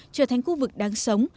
trở thành khu vực đáng sống